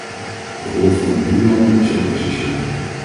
De rol van de buurlanden is ook essentieel.